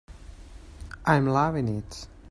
I'm loving it.